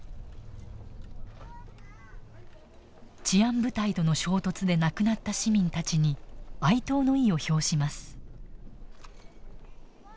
治安部隊との衝突で亡くなった市民たちに哀悼の意を表します。